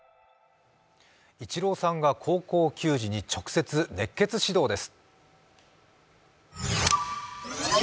イチローさんが高校球児に直接、熱血指導です。